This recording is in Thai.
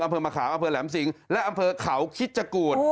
อำเภอมะขามอำเภอแหลมสิงและอำเภอเขาคิดจกูธ